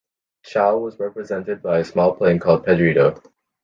Chile was represented by a small plane called Pedrito.